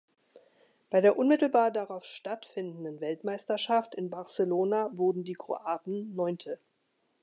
Bei der unmittelbar darauf stattfindenden Weltmeisterschaft in Barcelona wurden die Kroaten Neunte.